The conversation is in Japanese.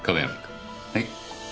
はい。